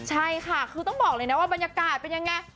ใช่ค่ะคือต้องบอกเลยนะว่าบรรยากาศเป็นยังไง